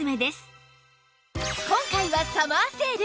今回はサマーセール！